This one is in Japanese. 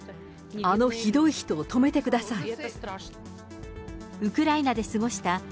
あのひどい人を止めてください。